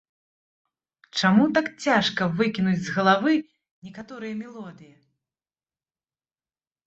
Чаму так цяжка выкінуць з галавы некаторыя мелодыі.